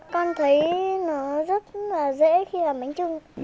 con thấy nó rất là dễ khi làm bánh trưng